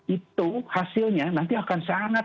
itu hasilnya nanti akan sangat